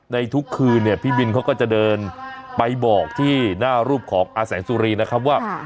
ในทุกคืนเนี่ยพี่บินเขาก็จะเดินไปบอกที่หน้ารูปของอาแสงสุรีนะครับว่า